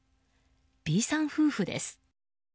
Ｂさん夫婦です。